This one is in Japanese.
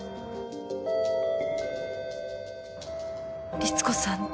リツコさん